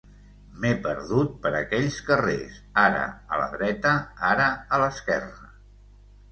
M'he perdut per aquells carrers, ara a la dreta, ara a l'esquerra.